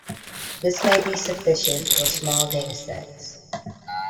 This may be sufficient for small datasets.